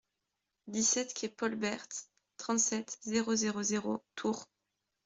dix-sept quai Paul Bert, trente-sept, zéro zéro zéro, Tours